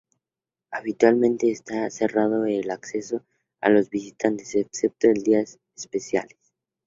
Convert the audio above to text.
Habitualmente está cerrado el acceso a los visitantes, excepto en días especiales.